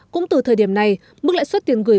cũng từ thời điểm này mức lãi suất tiền gửi